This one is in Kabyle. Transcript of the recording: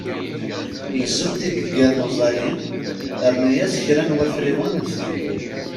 Gzem tgeggar n uẓalim, rnu-as kra n wafriwen n felyu.